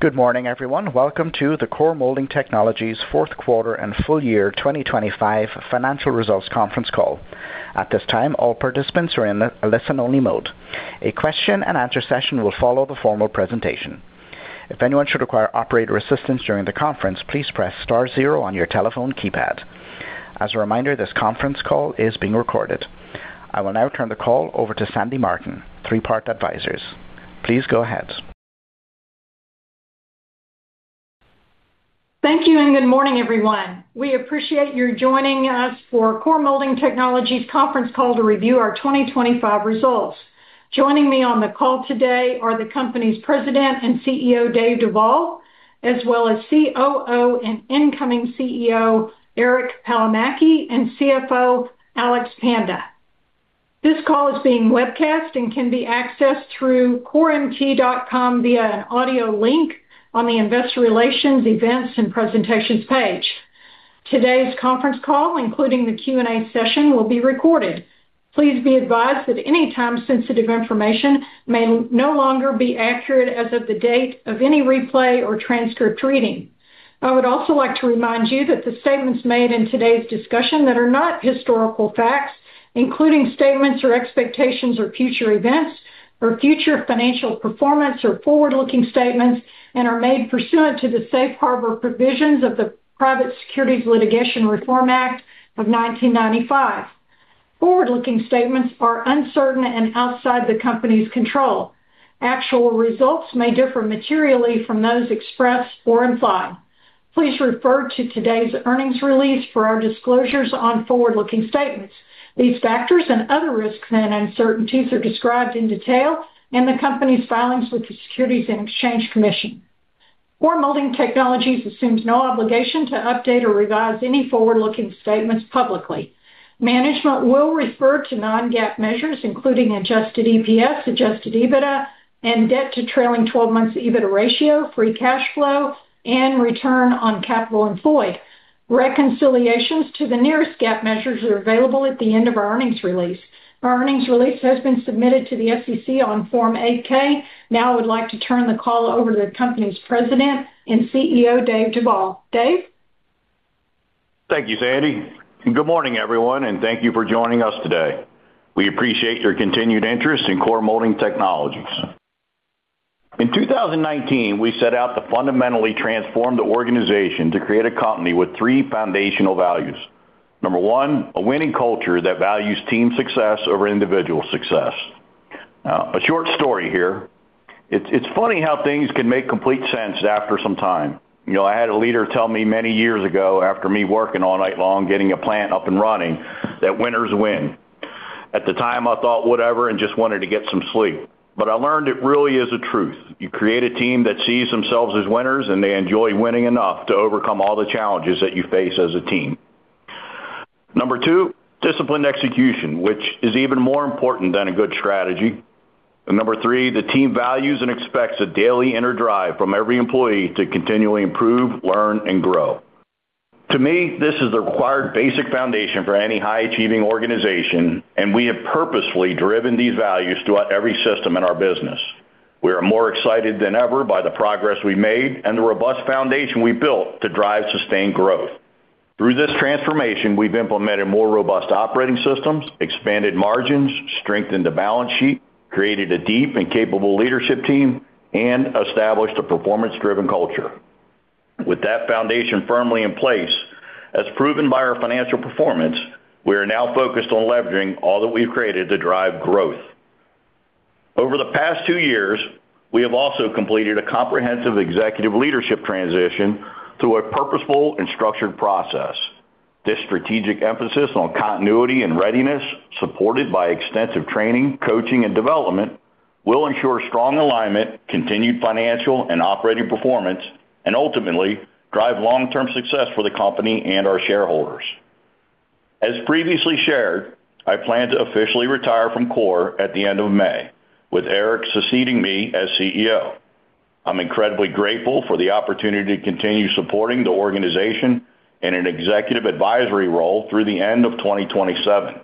Good morning, everyone. Welcome to the Core Molding Technologies fourth quarter and full year 2025 financial results conference call. At this time, all participants are in a listen-only mode. A question-and-answer session will follow the formal presentation. If anyone should require operator assistance during the conference, please press star zero on your telephone keypad. As a reminder, this conference call is being recorded. I will now turn the call over to Sandy Martin, Three Part Advisors. Please go ahead. Thank you, and good morning, everyone. We appreciate your joining us for Core Molding Technologies' conference call to review our 2025 results. Joining me on the call today are the company's President and CEO, David Duvall, as well as COO and incoming CEO, Eric Palomaki, and CFO, Alex Panda. This call is being webcast and can be accessed through coremt.com via an audio link on the Investor Relations Events and Presentations page. Today's conference call, including the Q&A session, will be recorded. Please be advised that any time-sensitive information may no longer be accurate as of the date of any replay or transcript reading. I would also like to remind you that the statements made in today's discussion that are not historical facts, including statements or expectations or future events or future financial performance or forward-looking statements and are made pursuant to the safe harbor provisions of the Private Securities Litigation Reform Act of 1995. Forward-looking statements are uncertain and outside the company's control. Actual results may differ materially from those expressed or implied. Please refer to today's earnings release for our disclosures on forward-looking statements. These factors and other risks and uncertainties are described in detail in the company's filings with the Securities and Exchange Commission. Core Molding Technologies assumes no obligation to update or revise any forward-looking statements publicly. Management will refer to non-GAAP measures, including adjusted EPS, adjusted EBITDA and debt to trailing twelve months EBITDA ratio, free cash flow, and return on capital employed. Reconciliations to the nearest GAAP measures are available at the end of our earnings release. Our earnings release has been submitted to the SEC on Form 8-K. Now, I would like to turn the call over to the company's President and CEO, Dave Duvall. Dave? Thank you, Sandy. Good morning, everyone, and thank you for joining us today. We appreciate your continued interest in Core Molding Technologies. In 2019, we set out to fundamentally transform the organization to create a company with three foundational values. Number one, a winning culture that values team success over individual success. A short story here. It's funny how things can make complete sense after some time. You know, I had a leader tell me many years ago, after me working all night long, getting a plant up and running, that winners win. At the time, I thought, "Whatever," and just wanted to get some sleep. I learned it really is a truth. You create a team that sees themselves as winners, and they enjoy winning enough to overcome all the challenges that you face as a team. Number two, disciplined execution, which is even more important than a good strategy. Number three, the team values and expects a daily inner drive from every employee to continually improve, learn, and grow. To me, this is the required basic foundation for any high-achieving organization, and we have purposefully driven these values throughout every system in our business. We are more excited than ever by the progress we made and the robust foundation we built to drive sustained growth. Through this transformation, we've implemented more robust operating systems, expanded margins, strengthened the balance sheet, created a deep and capable leadership team, and established a performance-driven culture. With that foundation firmly in place, as proven by our financial performance, we are now focused on leveraging all that we've created to drive growth. Over the past two years, we have also completed a comprehensive executive leadership transition through a purposeful and structured process. This strategic emphasis on continuity and readiness, supported by extensive training, coaching, and development, will ensure strong alignment, continued financial and operating performance, and ultimately drive long-term success for the company and our shareholders. As previously shared, I plan to officially retire from Core at the end of May, with Eric succeeding me as CEO. I'm incredibly grateful for the opportunity to continue supporting the organization in an executive advisory role through the end of 2027.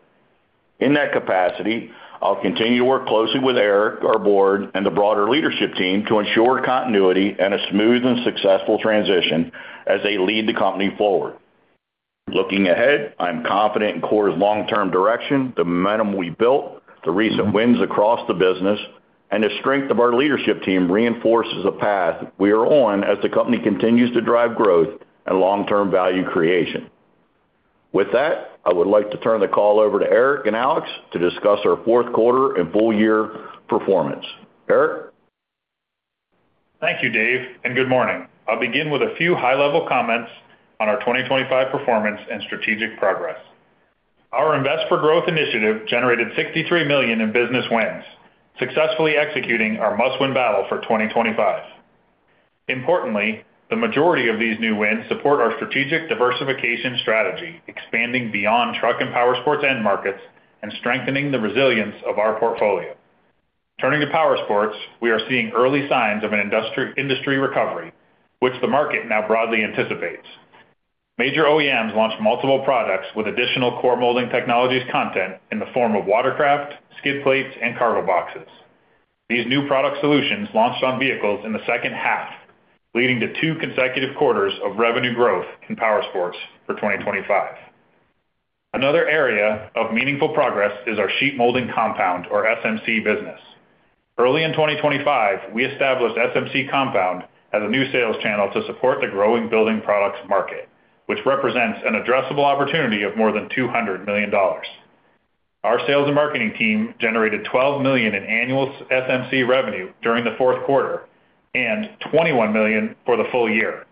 In that capacity, I'll continue to work closely with Eric, our board, and the broader leadership team to ensure continuity and a smooth and successful transition as they lead the company forward. Looking ahead, I'm confident in Core's long-term direction. The momentum we built, the recent wins across the business, and the strength of our leadership team reinforces the path we are on as the company continues to drive growth and long-term value creation. With that, I would like to turn the call over to Eric and Alex to discuss our fourth quarter and full-year performance. Eric? Thank you, Dave, and good morning. I'll begin with a few high-level comments on our 2025 performance and strategic progress. Our Invest For Growth initiative generated $63 million in business wins, successfully executing our must-win battle for 2025. Importantly, the majority of these new wins support our strategic diversification strategy, expanding beyond truck and powersports end markets and strengthening the resilience of our portfolio. Turning to powersports, we are seeing early signs of an industry recovery, which the market now broadly anticipates. Major OEMs launched multiple products with additional Core Molding Technologies content in the form of watercraft, skid plates, and cargo boxes. These new product solutions launched on vehicles in the second half, leading to two consecutive quarters of revenue growth in powersports for 2025. Another area of meaningful progress is our sheet molding compound, or SMC business. Early in 2025, we established SMC compound as a new sales channel to support the growing building products market, which represents an addressable opportunity of more than $200 million. Our sales and marketing team generated $12 million in annual SMC revenue during the fourth quarter and $21 million for the full year.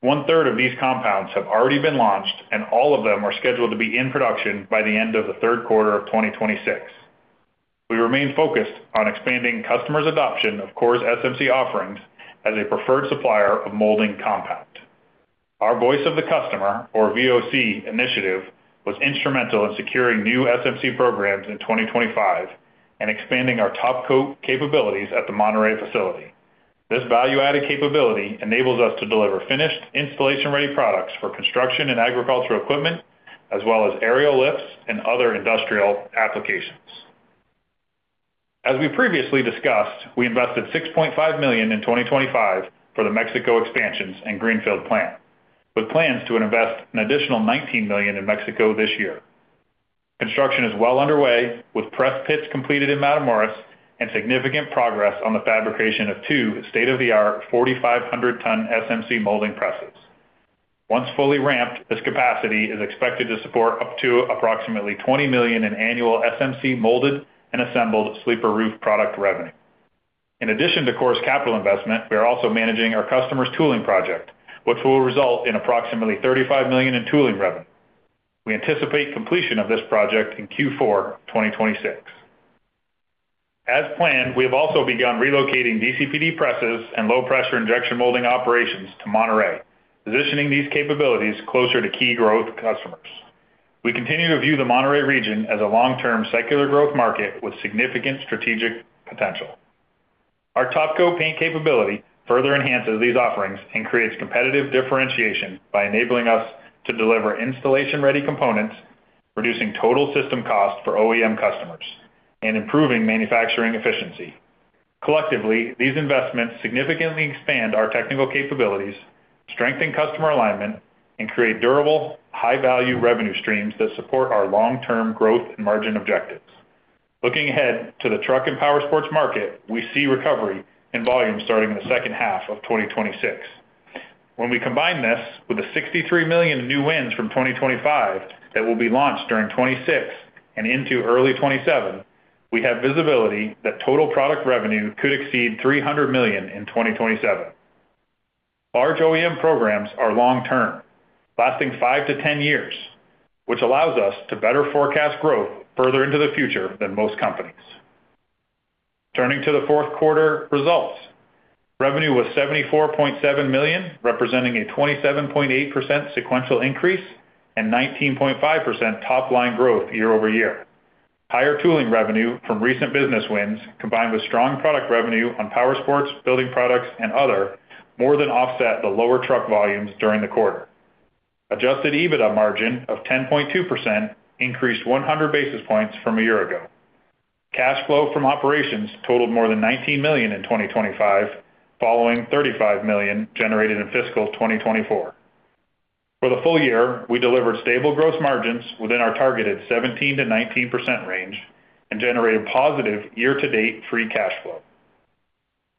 One-third of these compounds have already been launched, and all of them are scheduled to be in production by the end of the third quarter of 2026. We remain focused on expanding customers' adoption of Core's SMC offerings as a preferred supplier of molding compound. Our Voice of the Customer, or VoC initiative, was instrumental in securing new SMC programs in 2025 and expanding our top coat capabilities at the Monterrey facility. This value-added capability enables us to deliver finished installation-ready products for construction and agricultural equipment, as well as aerial lifts and other industrial applications. As we previously discussed, we invested $6.5 million in 2025 for the Mexico expansions and Greenfield plant, with plans to invest an additional $19 million in Mexico this year. Construction is well underway, with press pits completed in Matamoros and significant progress on the fabrication of two state-of-the-art 4,500-ton SMC molding presses. Once fully ramped, this capacity is expected to support up to approximately $20 million in annual SMC molded and assembled sleeper roof product revenue. In addition to Core's capital investment, we are also managing our customers' tooling project, which will result in approximately $35 million in tooling revenue. We anticipate completion of this project in Q4 2026. As planned, we have also begun relocating DCPD presses and low-pressure injection molding operations to Monterrey, positioning these capabilities closer to key growth customers. We continue to view the Monterrey region as a long-term secular growth market with significant strategic potential. Our top coat paint capability further enhances these offerings and creates competitive differentiation by enabling us to deliver installation-ready components, reducing total system cost for OEM customers, and improving manufacturing efficiency. Collectively, these investments significantly expand our technical capabilities, strengthen customer alignment, and create durable, high-value revenue streams that support our long-term growth and margin objectives. Looking ahead to the truck and powersports market, we see recovery in volume starting in the second half of 2026. When we combine this with the $63 million new wins from 2025 that will be launched during 2026 and into early 2027, we have visibility that total product revenue could exceed $300 million in 2027. Large OEM programs are long term, lasting 5-10 years, which allows us to better forecast growth further into the future than most companies. Turning to the fourth quarter results. Revenue was $74.7 million, representing a 27.8% sequential increase and 19.5% top line growth year-over-year. Higher tooling revenue from recent business wins, combined with strong product revenue on powersports, building products, and other, more than offset the lower truck volumes during the quarter. Adjusted EBITDA margin of 10.2% increased 100 basis points from a year ago. Cash flow from operations totaled more than $19 million in 2025, following $35 million generated in fiscal 2024. For the full year, we delivered stable gross margins within our targeted 17%-19% range and generated positive year-to-date free cash flow.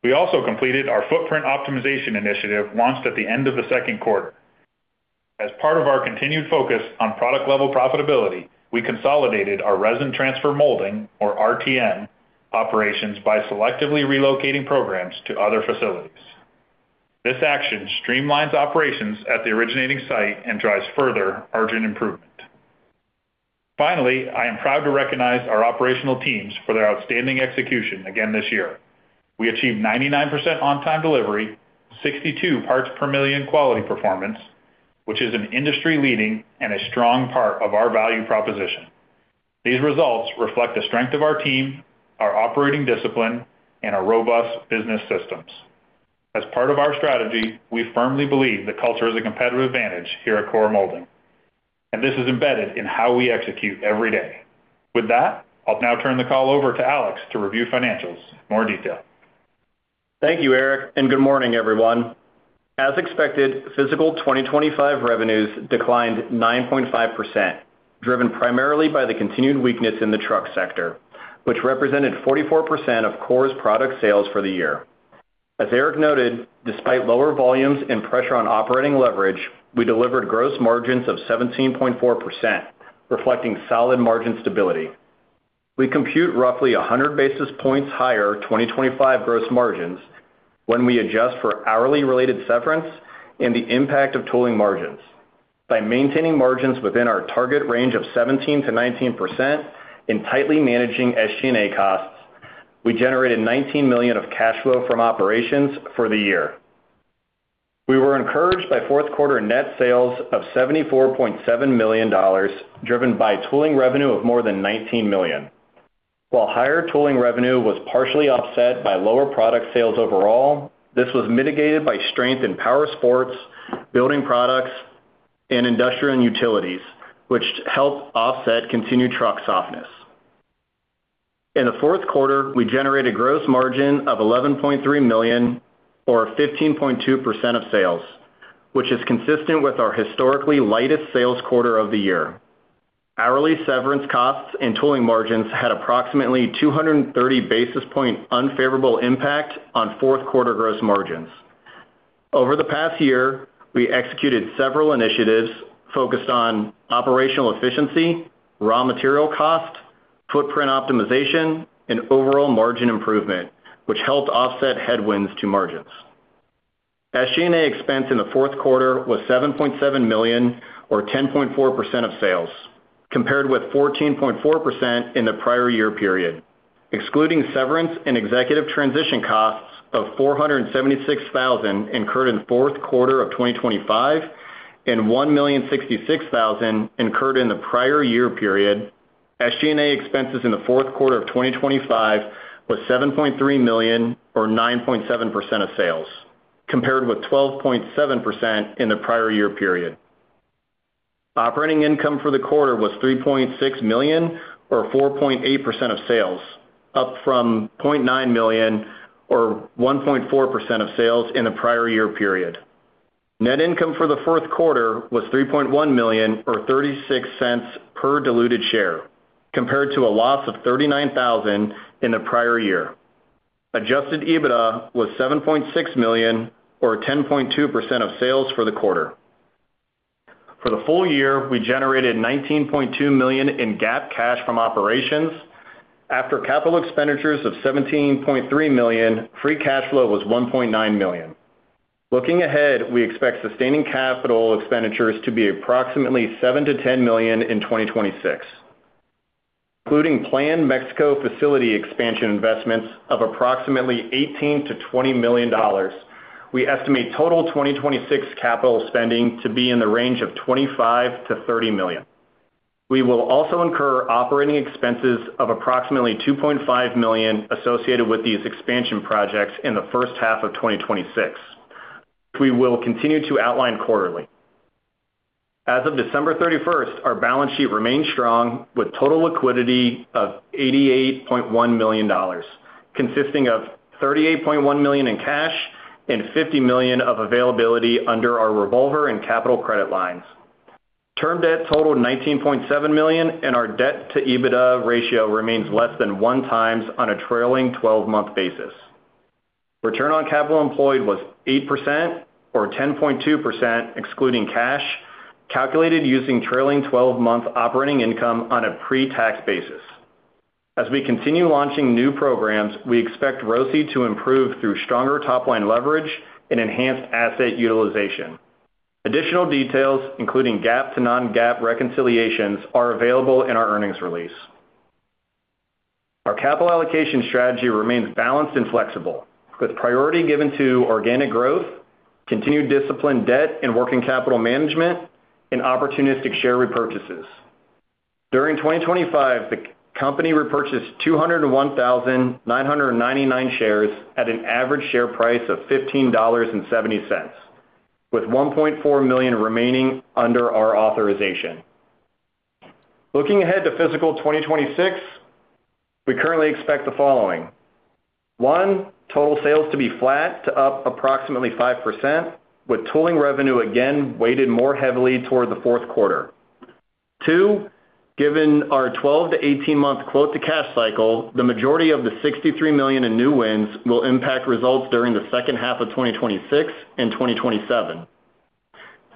We also completed our footprint optimization initiative launched at the end of the second quarter. As part of our continued focus on product-level profitability, we consolidated our resin transfer molding, or RTM, operations by selectively relocating programs to other facilities. This action streamlines operations at the originating site and drives further margin improvement. Finally, I am proud to recognize our operational teams for their outstanding execution again this year. We achieved 99% on-time delivery, 62 parts per million quality performance, which is an industry-leading and a strong part of our value proposition. These results reflect the strength of our team, our operating discipline, and our robust business systems. As part of our strategy, we firmly believe that culture is a competitive advantage here at Core Molding, and this is embedded in how we execute every day. With that, I'll now turn the call over to Alex to review financials in more detail. Thank you, Eric, and good morning, everyone. As expected, fiscal 2025 revenues declined 9.5%, driven primarily by the continued weakness in the truck sector, which represented 44% of Core's product sales for the year. As Eric noted, despite lower volumes and pressure on operating leverage, we delivered gross margins of 17.4%, reflecting solid margin stability. We compute roughly 100 basis points higher 2025 gross margins when we adjust for hourly related severance and the impact of tooling margins. By maintaining margins within our target range of 17%-19% and tightly managing SG&A costs, we generated $19 million of cash flow from operations for the year. We were encouraged by fourth quarter net sales of $74.7 million, driven by tooling revenue of more than $19 million. While higher tooling revenue was partially offset by lower product sales overall, this was mitigated by strength in power sports, building products, and industrial and utilities, which helped offset continued truck softness. In the fourth quarter, we generated gross margin of $11.3 million, or 15.2% of sales, which is consistent with our historically lightest sales quarter of the year. Hourly severance costs and tooling margins had approximately 230 basis points unfavorable impact on fourth quarter gross margins. Over the past year, we executed several initiatives focused on operational efficiency, raw material cost, footprint optimization, and overall margin improvement, which helped offset headwinds to margins. SG&A expense in the fourth quarter was $7.7 million or 10.4% of sales, compared with 14.4% in the prior year period. Excluding severance and executive transition costs of $476,000 incurred in fourth quarter of 2025 and $1,066,000 incurred in the prior year period, SG&A expenses in the fourth quarter of 2025 was $7.3 million or 9.7% of sales, compared with 12.7 in the prior year period. Operating income for the quarter was $3.6 million or 4.8% of sales, up from $0.9 million or 1.4% of sales in the prior year period. Net income for the fourth quarter was $3.1 million or $0.36 per diluted share, compared to a loss of $39,000 in the prior year. Adjusted EBITDA was $7.6 million or 10.2% of sales for the quarter. For the full year, we generated $19.2 million in GAAP cash from operations. After capital expenditures of $17.3 million, free cash flow was $1.9 million. Looking ahead, we expect sustaining capital expenditures to be approximately $7-$10 million in 2026. Including planned Mexico facility expansion investments of approximately $18-$20 million, we estimate total 2026 capital spending to be in the range of $25-$30 million. We will also incur operating expenses of approximately $2.5 million associated with these expansion projects in the first half of 2026. We will continue to outline quarterly. As of December 31st, our balance sheet remains strong with total liquidity of $88.1 million, consisting of $38.1 million in cash and $50 million of availability under our revolver and capital credit lines. Term debt totaled $19.7 million, and our debt to EBITDA ratio remains less than one times on a trailing twelve-month basis. Return on capital employed was 8% or 10.2% excluding cash, calculated using trailing twelve-month operating income on a pre-tax basis. As we continue launching new programs, we expect ROCE to improve through stronger top-line leverage and enhanced asset utilization. Additional details, including GAAP to non-GAAP reconciliations, are available in our earnings release. Our capital allocation strategy remains balanced and flexible, with priority given to organic growth, continued disciplined debt and working capital management, and opportunistic share repurchases. During 2025, the company repurchased 201,999 shares at an average share price of $15.70, with $1.4 million remaining under our authorization. Looking ahead to fiscal 2026, we currently expect the following. One, total sales to be flat to up approximately 5%, with tooling revenue again weighted more heavily toward the fourth quarter. Two, given our 12- to 18-month quote-to-cash cycle, the majority of the $63 million in new wins will impact results during the second half of 2026 and 2027.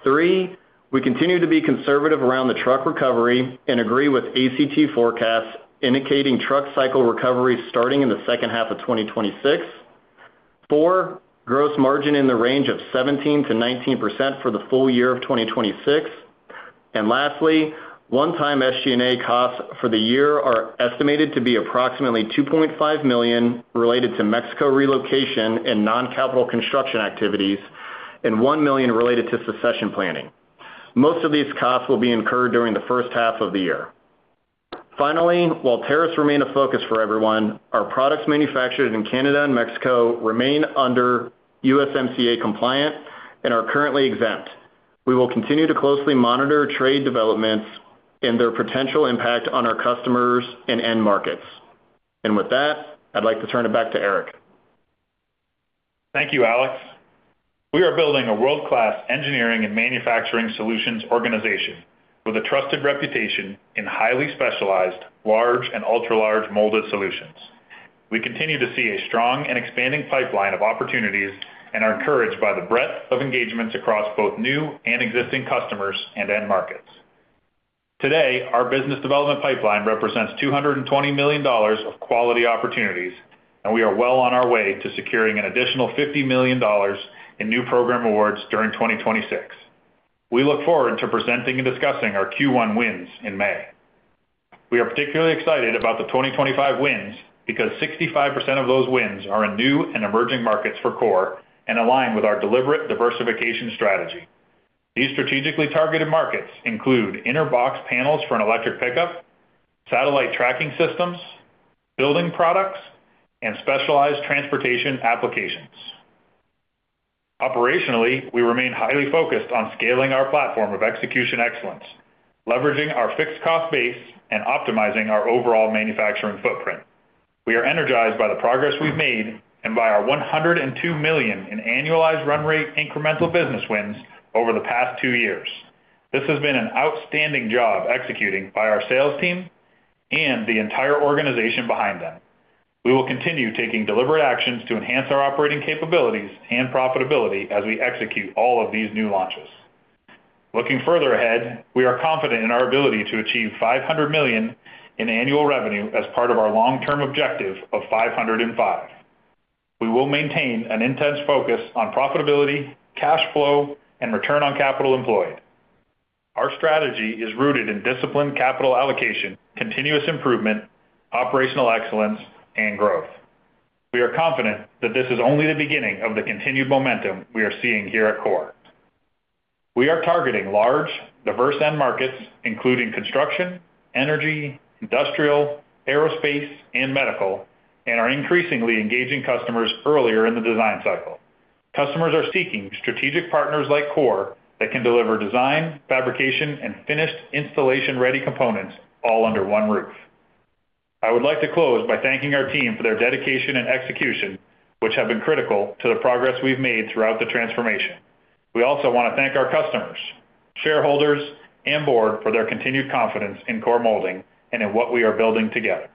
Three, we continue to be conservative around the truck recovery and agree with ACT forecasts indicating truck cycle recovery starting in the second half of 2026. Four, gross margin in the range of 17%-19% for the full year of 2026. Lastly, one-time SG&A costs for the year are estimated to be approximately $2.5 million related to Mexico relocation and non-capital construction activities and $1 million related to succession planning. Most of these costs will be incurred during the first half of the year. Finally, while tariffs remain a focus for everyone, our products manufactured in Canada and Mexico remain under USMCA compliance and are currently exempt. We will continue to closely monitor trade developments and their potential impact on our customers and end markets. With that, I'd like to turn it back to Eric. Thank you, Alex. We are building a world-class engineering and manufacturing solutions organization with a trusted reputation in highly specialized, large and ultra-large molded solutions. We continue to see a strong and expanding pipeline of opportunities and are encouraged by the breadth of engagements across both new and existing customers and end markets. Today, our business development pipeline represents $220 million of quality opportunities, and we are well on our way to securing an additional $50 million in new program awards during 2026. We look forward to presenting and discussing our Q1 wins in May. We are particularly excited about the 2025 wins because 65% of those wins are in new and emerging markets for Core and align with our deliberate diversification strategy. These strategically targeted markets include inner bed panels for an electric pickup, satellite tracking systems, building products, and specialized transportation applications. Operationally, we remain highly focused on scaling our platform of execution excellence, leveraging our fixed cost base, and optimizing our overall manufacturing footprint. We are energized by the progress we've made and by our $102 million in annualized run rate incremental business wins over the past two years. This has been an outstanding job executing by our sales team and the entire organization behind them. We will continue taking deliberate actions to enhance our operating capabilities and profitability as we execute all of these new launches. Looking further ahead, we are confident in our ability to achieve $500 million in annual revenue as part of our long-term objective of $500 million and 5%. We will maintain an intense focus on profitability, cash flow, and return on capital employed. Our strategy is rooted in disciplined capital allocation, continuous improvement, operational excellence, and growth. We are confident that this is only the beginning of the continued momentum we are seeing here at Core. We are targeting large, diverse end markets, including construction, energy, industrial, aerospace, and medical, and are increasingly engaging customers earlier in the design cycle. Customers are seeking strategic partners like Core that can deliver design, fabrication, and finished installation-ready components all under one roof. I would like to close by thanking our team for their dedication and execution, which have been critical to the progress we've made throughout the transformation. We also want to thank our customers, shareholders, and board for their continued confidence in Core Molding and in what we are building together.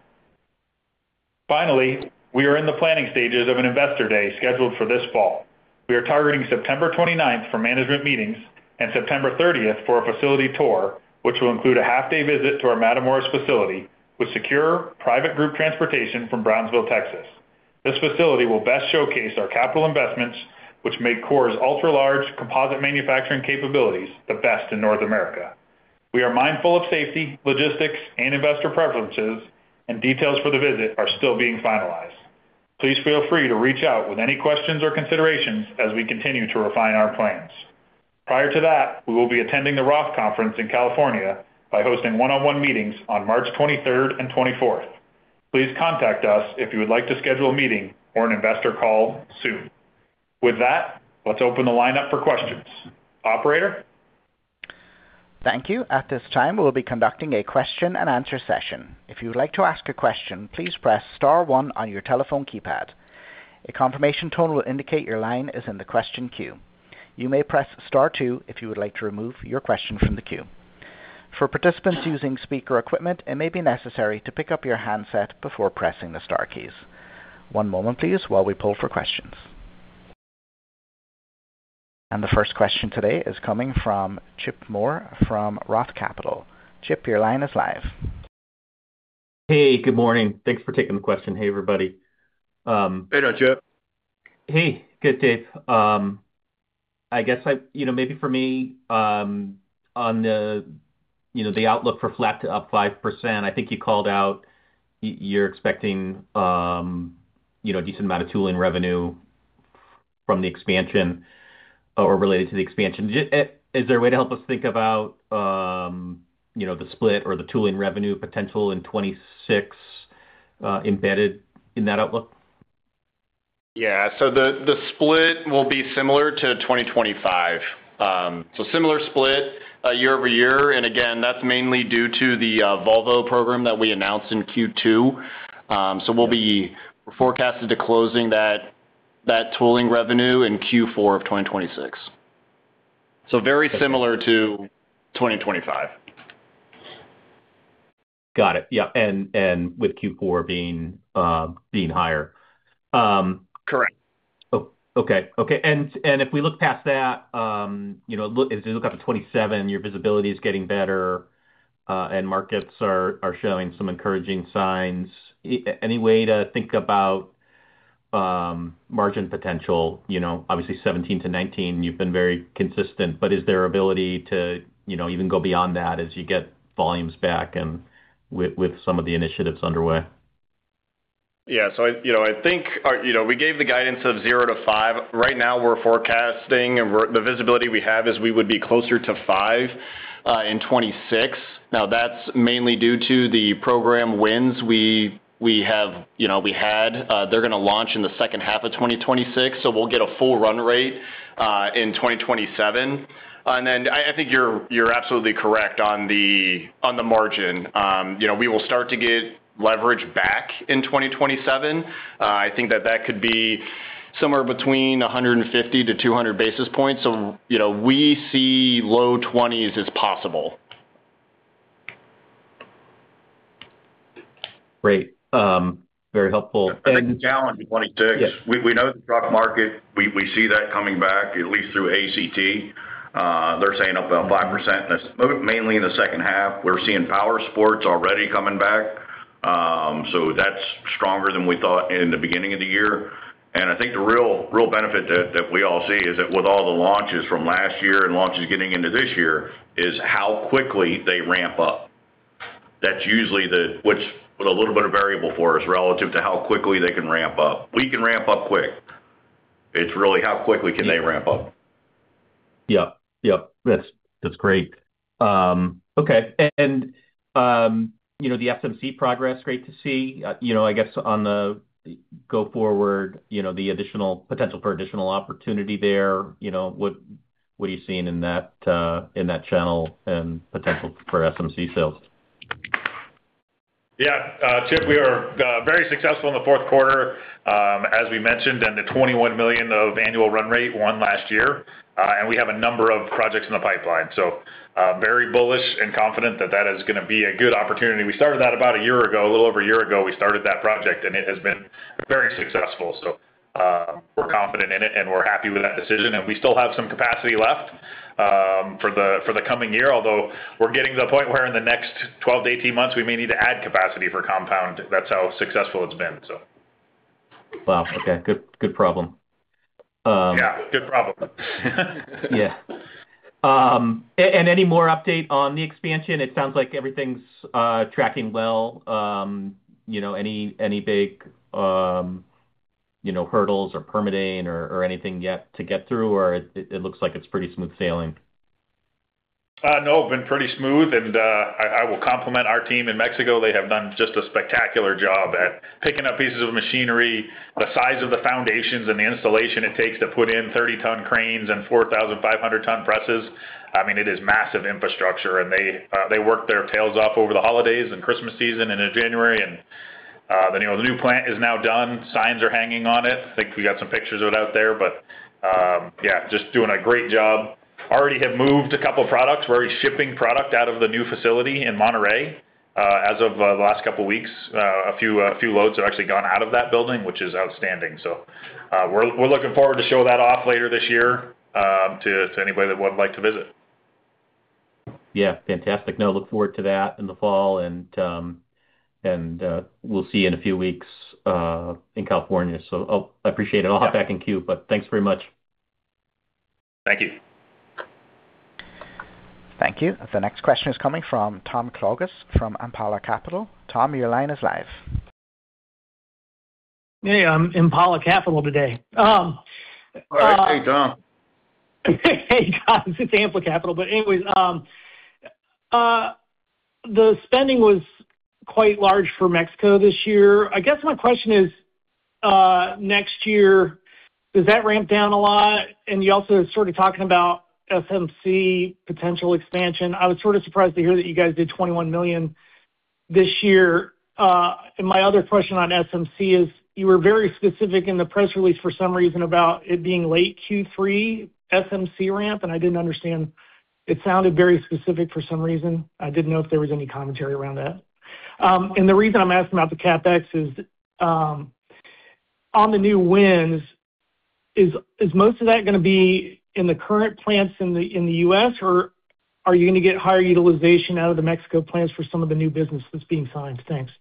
Finally, we are in the planning stages of an investor day scheduled for this fall. We are targeting September 29th for management meetings and September 30th for a facility tour, which will include a half-day visit to our Matamoros facility with secure private group transportation from Brownsville, Texas. This facility will best showcase our capital investments, which make Core's ultra-large composite manufacturing capabilities the best in North America. We are mindful of safety, logistics, and investor preferences, and details for the visit are still being finalized. Please feel free to reach out with any questions or considerations as we continue to refine our plans. Prior to that, we will be attending the ROTH Conference in California by hosting one-on-one meetings on March 23rd and 24th. Please contact us if you would like to schedule a meeting or an investor call soon. With that, let's open the line up for questions. Operator? Thank you. At this time, we'll be conducting a question-and-answer session. If you would like to ask a question, please press star one on your telephone keypad. A confirmation tone will indicate your line is in the question queue. You may press star two if you would like to remove your question from the queue. For participants using speaker equipment, it may be necessary to pick up your handset before pressing the star keys. One moment please while we pull for questions. The first question today is coming from Chip Moore from Roth Capital. Chip, your line is live. Hey, good morning. Thanks for taking the question. Hey, everybody. Hey there, Chip. Hey. Good, Dave. I guess I, you know, maybe for me, on the, you know, the outlook for flat to up 5%, I think you called out you're expecting a decent amount of tooling revenue from the expansion or related to the expansion. Is there a way to help us think about the split or the tooling revenue potential in 2026 embedded in that outlook? The split will be similar to 2025. Similar split year-over-year, and again, that's mainly due to the Volvo program that we announced in Q2. We'll be forecasted to closing that tooling revenue in Q4 of 2026. Very similar to 2025. Got it. Yeah, with Q4 being higher. Correct. Okay. If we look past that, you know. If you look out to 2027, your visibility is getting better, and markets are showing some encouraging signs. Any way to think about margin potential? You know, obviously 17%-19%, you've been very consistent, but is there ability to, you know, even go beyond that as you get volumes back and with some of the initiatives underway? Yeah. You know, I think our. You know, we gave the guidance of 0%-5%. Right now we're forecasting, and the visibility we have is we would be closer to 5% in 2026. Now, that's mainly due to the program wins we have, you know, we had. They're gonna launch in the second half of 2026, so we'll get a full run rate in 2027. Then I think you're absolutely correct on the margin. You know, we will start to get leverage back in 2027. I think that could be somewhere between 150-200 basis points. You know, we see low 20s% as possible. Great. Very helpful. And- Challenge in 2026. Yeah. We know the truck market. We see that coming back at least through ACT. They're saying up about 5%, mainly in the second half. We're seeing power sports already coming back. That's stronger than we thought in the beginning of the year. I think the real benefit that we all see is that with all the launches from last year and launches getting into this year, is how quickly they ramp up. That's usually the which with a little bit of variability for us relative to how quickly they can ramp up. We can ramp up quick. It's really how quickly can they ramp up. Yep. That's great. Okay. You know, the SMC progress, great to see. You know, I guess on the go forward, you know, the additional potential for additional opportunity there, you know, what are you seeing in that channel and potential for SMC sales? Yeah. Chip, we are very successful in the fourth quarter, as we mentioned, and the $21 million of annual run rate won last year. We have a number of projects in the pipeline. Very bullish and confident that that is gonna be a good opportunity. We started that about a year ago, a little over a year ago, we started that project, and it has been very successful. We're confident in it, and we're happy with that decision. We still have some capacity left for the coming year, although we're getting to the point where in the next 12-18 months, we may need to add capacity for compound. That's how successful it's been. Wow. Okay. Good problem. Yeah, good problem. Yeah. Any more update on the expansion? It sounds like everything's tracking well. You know, any big, you know, hurdles or permitting or anything yet to get through, or it looks like it's pretty smooth sailing? No, been pretty smooth. I will compliment our team in Mexico. They have done just a spectacular job at picking up pieces of machinery the size of the foundations and the installation it takes to put in 30-ton cranes and 4,500-ton presses. I mean, it is massive infrastructure, and they work their tails off over the holidays and Christmas season into January. You know, the new plant is now done. Signs are hanging on it. I think we got some pictures of it out there, but yeah, just doing a great job. Already have moved a couple products. We're already shipping product out of the new facility in Monterrey. As of the last couple weeks, a few loads have actually gone out of that building, which is outstanding. We're looking forward to show that off later this year to anybody that would like to visit. Yeah. Fantastic. I look forward to that in the fall and we'll see you in a few weeks in California. I appreciate it. I'll hop back in queue, but thanks very much. Thank you. Thank you. The next question is coming from Tom Klugas from Impala Asset Management Tom, your line is live. Hey, I'm Impala Asset Management today. All right. Hey, Tom. Hey, guys. It's Impala Asset Management. Anyways, the spending was quite large for Mexico this year. I guess my question is, next year, does that ramp down a lot? You also started talking about SMC potential expansion. I was sort of surprised to hear that you guys did $21 million this year. My other question on SMC is, you were very specific in the press release for some reason about it being late Q3 SMC ramp, and I didn't understand. It sounded very specific for some reason. I didn't know if there was any commentary around that. The reason I'm asking about the CapEx is on the new wins, most of that gonna be in the current plants in the U.S., or are you gonna get higher utilization out of the Mexico plants for some of the new business that's being signed? Thanks.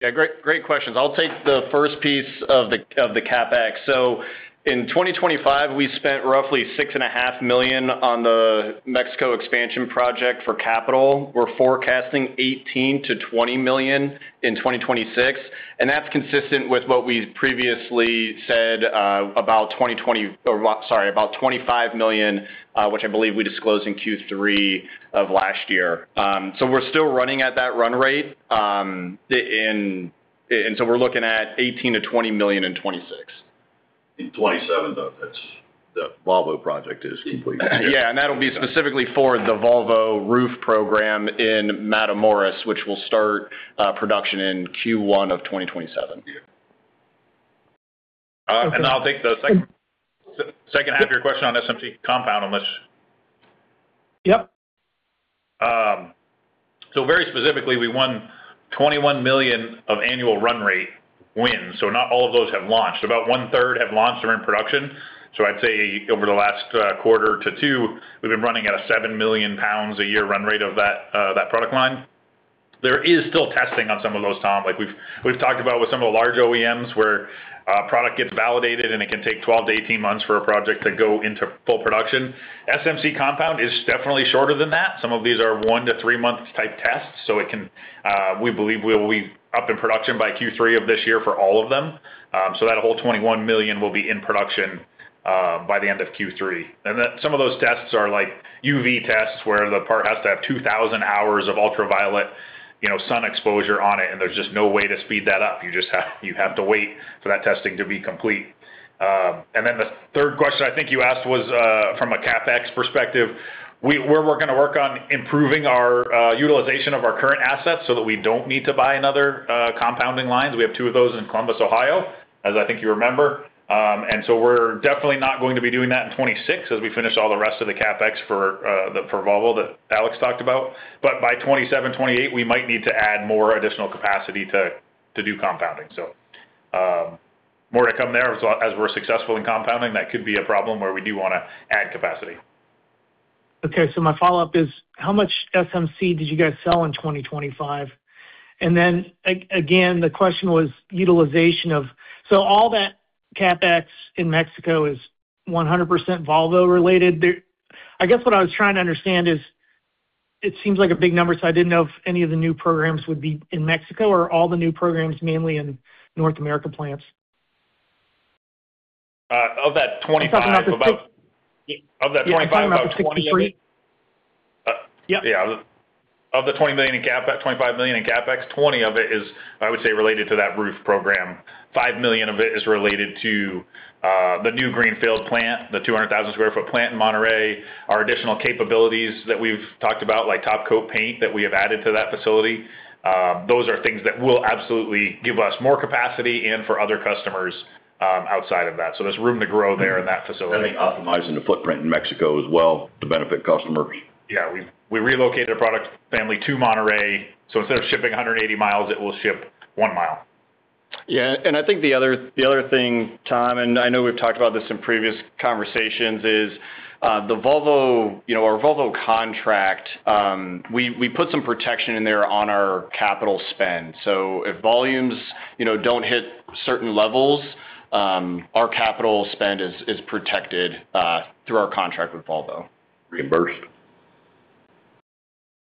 Yeah, great questions. I'll take the first piece of the CapEx. In 2025, we spent roughly $6.5 million on the Mexico expansion project for capital. We're forecasting $18-$20 million in 2026, and that's consistent with what we previously said about $25 million, which I believe we disclosed in Q3 of last year. We're still running at that run rate, and we're looking at $18-$20 million in 2026. In 27, though, the Volvo project is complete. That'll be specifically for the Volvo roof program in Matamoros, which will start production in Q1 of 2027. Yeah. I'll take the second half of your question on SMC compound, unless Yep. Very specifically, we won $21 million of annual run rate wins, not all of those have launched. About one-third have launched, they're in production. I'd say over the last quarter to two, we've been running at a 7 million pounds a year run rate of that product line. There is still testing on some of those, Tom, like we've talked about with some of the large OEMs where product gets validated, and it can take 12-18 months for a project to go into full production. SMC compound is definitely shorter than that. Some of these are 1-3 month type tests, we believe we'll be up in production by Q3 of this year for all of them. That whole $21 million will be in production by the end of Q3. Some of those tests are like UV tests, where the part has to have 2,000 hours of ultraviolet, you know, sun exposure on it, and there's just no way to speed that up. You just have to wait for that testing to be complete. The third question I think you asked was, from a CapEx perspective, we're working on improving our utilization of our current assets so that we don't need to buy another compounding lines. We have 2 of those in Columbus, Ohio, as I think you remember. We're definitely not going to be doing that in 2026 as we finish all the rest of the CapEx for Volvo that Alex talked about. But by 2027, 2028, we might need to add more additional capacity to do compounding. More to come there. As we're successful in compounding, that could be a problem where we do wanna add capacity. Okay. My follow-up is, how much FMC did you guys sell in 2025? Then again, the question was utilization of. All that CapEx in Mexico is 100% Volvo related. I guess what I was trying to understand is it seems like a big number, so I didn't know if any of the new programs would be in Mexico or all the new programs mainly in North America plants. Uh, of that twenty-five, about- Something about the six. Of that 25, about 20 of it. Yeah, something about the 63. Yep. Yeah. $25 million in CapEx, $20 of it is, I would say, related to that roof program. $5 million of it is related to the new greenfield plant, the 200,000 sq ft plant in Monterrey. Our additional capabilities that we've talked about, like top coat paint that we have added to that facility, those are things that will absolutely give us more capacity and for other customers outside of that. There's room to grow there in that facility. Optimizing the footprint in Mexico as well to benefit customers. Yeah. We relocated a product family to Monterrey. Instead of shipping 180 miles, it will ship 1 mile. Yeah. I think the other thing, Tom, and I know we've talked about this in previous conversations, is the Volvo, you know, our Volvo contract, we put some protection in there on our capital spend. If volumes, you know, don't hit certain levels, our capital spend is protected through our contract with Volvo. Reimbursed.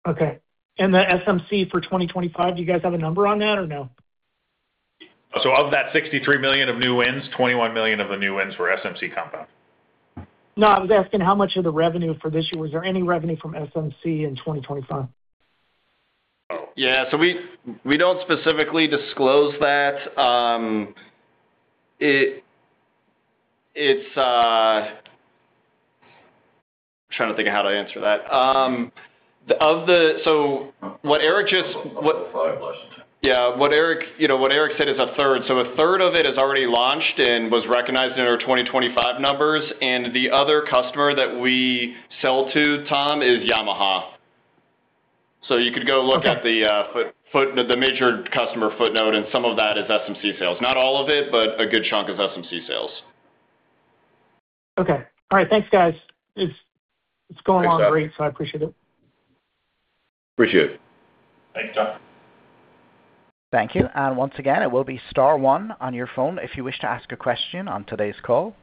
Okay. The SMC for 2025, do you guys have a number on that or no? Of that $63 million of new wins, $21 million of the new wins were SMC compound. No, I was asking how much of the revenue for this year. Was there any revenue from SMC in 2025? Yeah. We don't specifically disclose that. Trying to think of how to answer that. What Eric just- Follow-up question. Yeah. What Eric said is a third. A third of it is already launched and was recognized in our 2025 numbers. The other customer that we sell to, Tom, is Yamaha. You could go look at the major customer footnote, and some of that is SMC sales. Not all of it, but a good chunk is SMC sales. Okay. All right. Thanks, guys. It's going well. Thanks, Tom. Great, I appreciate it. Appreciate it. Thanks, Tom. Thank you. Once again, it will be star one on your phone if you wish to ask a question on today's call.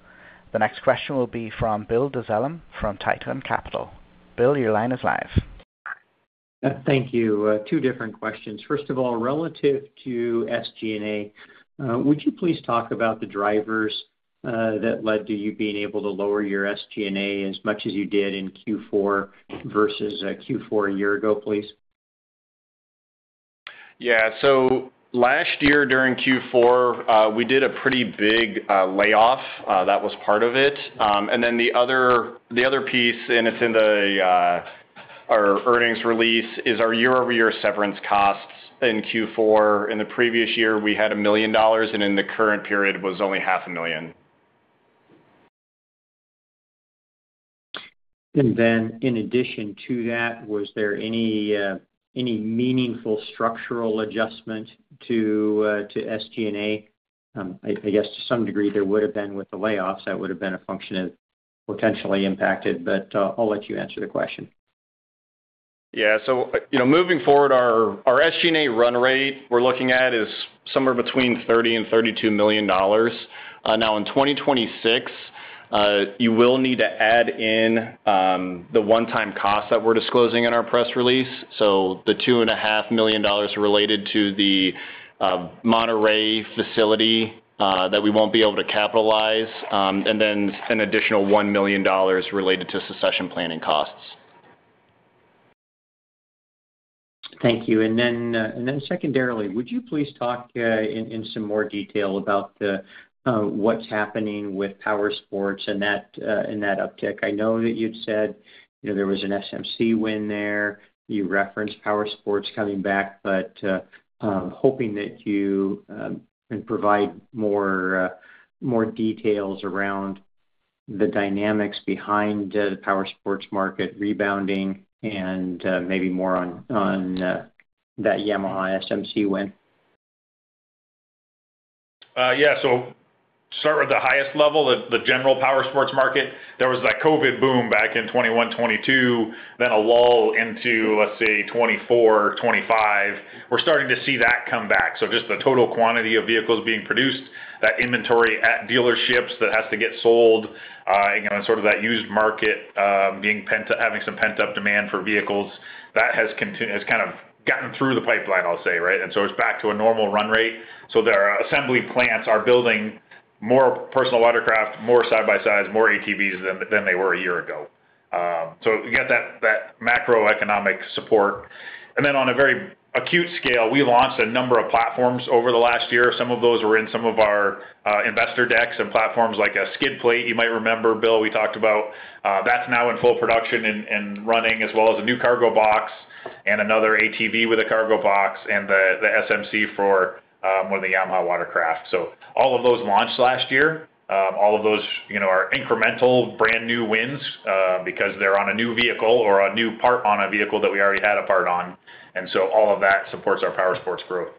The next question will be from Bill Dezellem from Titan Capital. Bill, your line is live. Thank you. Two different questions. First of all, relative to SG&A, would you please talk about the drivers that led to you being able to lower your SG&A as much as you did in Q4 versus Q4 a year ago, please? Last year during Q4, we did a pretty big layoff that was part of it. The other piece, and it's in our earnings release, is our year-over-year severance costs in Q4. In the previous year, we had $1 million, and in the current period was only $ half a million. In addition to that, was there any meaningful structural adjustment to SG&A? I guess to some degree there would have been with the layoffs, that would have been a function of potentially impacted. I'll let you answer the question. Yeah. You know, moving forward, our SG&A run rate we're looking at is somewhere between $30 million and $32 million. Now in 2026, you will need to add in the one-time cost that we're disclosing in our press release. The $2.5 million related to the Monterrey facility that we won't be able to capitalize, and then an additional $1 million related to succession planning costs. Thank you. Secondarily, would you please talk in some more detail about what's happening with powersports and that uptick? I know that you'd said, you know, there was an SMC win there. You referenced powersports coming back, but I'm hoping that you can provide more details around the dynamics behind the powersports market rebounding and maybe more on that Yamaha SMC win. Start with the highest level, the general powersports market. There was that COVID boom back in 2021, 2022, then a lull into, let's say, 2024, 2025. We're starting to see that come back. Just the total quantity of vehicles being produced, that inventory at dealerships that has to get sold, you know, sort of that used market, having some pent-up demand for vehicles. That has kind of gotten through the pipeline, I'll say, right? It's back to a normal run rate. Their assembly plants are building more personal watercraft, more side-by-sides, more ATVs than they were a year ago. You got that macroeconomic support. On a very acute scale, we launched a number of platforms over the last year. Some of those were in some of our investor decks and platforms like a skid plate. You might remember, Bill, we talked about that's now in full production and running, as well as a new cargo box and another ATV with a cargo box and the SMC for one of the Yamaha watercraft. All of those launched last year. All of those, you know, are incremental brand new wins because they're on a new vehicle or a new part on a vehicle that we already had a part on. All of that supports our powersports growth.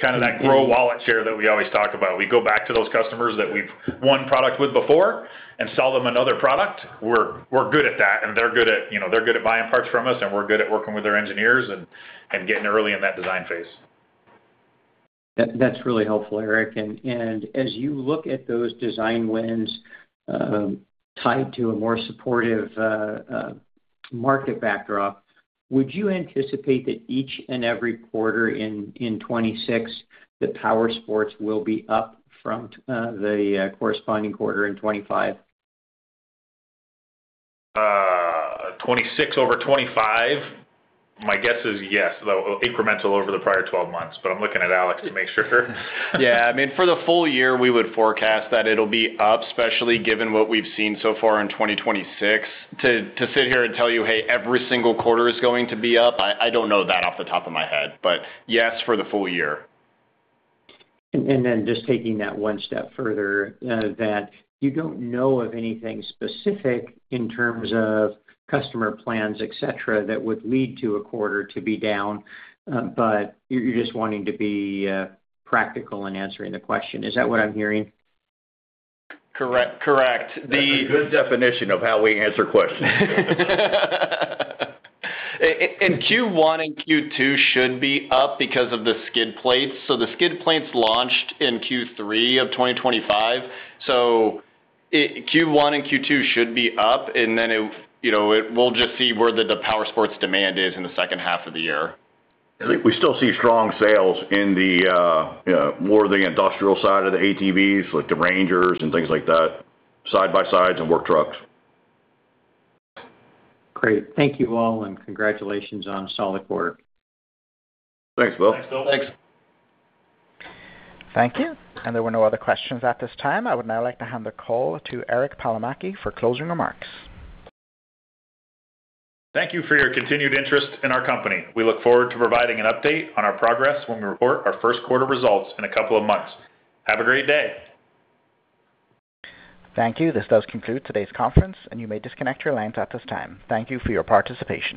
Kind of that grow wallet share that we always talk about. We go back to those customers that we've won product with before and sell them another product. We're good at that, and they're good at buying parts from us, you know, and we're good at working with their engineers and getting early in that design phase. That's really helpful, Eric. As you look at those design wins tied to a more supportive market backdrop, would you anticipate that each and every quarter in 2026 that powersports will be up from the corresponding quarter in 2025? 2026 over 2025? My guess is yes, though incremental over the prior twelve months, but I'm looking at Alex to make sure. Yeah. I mean, for the full year, we would forecast that it'll be up, especially given what we've seen so far in 2026. To sit here and tell you, "Hey, every single quarter is going to be up," I don't know that off the top of my head. Yes, for the full year. Just taking that one step further, that you don't know of anything specific in terms of customer plans, et cetera, that would lead to a quarter to be down, but you're just wanting to be practical in answering the question. Is that what I'm hearing? Correct. That's a good definition of how we answer questions. In Q1 and Q2 should be up because of the skid plates. The skid plates launched in Q3 of 2025, so Q1 and Q2 should be up, and then, you know, we'll just see where the powersports demand is in the second half of the year. I think we still see strong sales in the, you know, more of the industrial side of the ATVs, like the Ranger and things like that, side-by-sides and work trucks. Great. Thank you all, and congratulations on a solid quarter. Thanks, Bill. Thanks, Bill. Thank you. There were no other questions at this time. I would now like to hand the call to Eric Palomaki for closing remarks. Thank you for your continued interest in our company. We look forward to providing an update on our progress when we report our first quarter results in a couple of months. Have a great day. Thank you. This does conclude today's conference, and you may disconnect your lines at this time. Thank you for your participation.